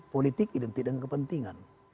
politik identik dengan kepentingan